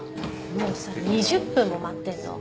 もうさ２０分も待ってんの。